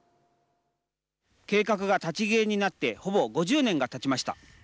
計画が立ち消えになってほぼ５０年がたちました。